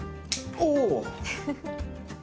おお。